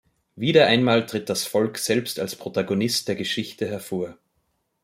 Wieder einmal tritt das Volk selbst als Protagonist der Geschichte hervor.